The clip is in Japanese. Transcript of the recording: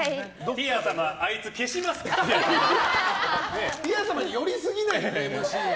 ティア様に寄りすぎないでＭＣが。